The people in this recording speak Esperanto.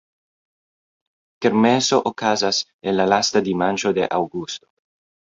Kermeso okazas en la lasta dimanĉo de aŭgusto.